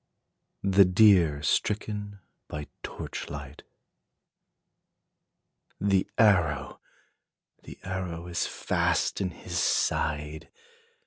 THE DEER STRICKEN BY TORCH LIGHT. The arrow! the arrow is fast in his side!